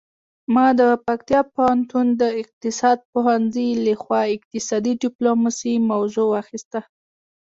ما د پکتیا پوهنتون د اقتصاد پوهنځي لخوا اقتصادي ډیپلوماسي موضوع واخیسته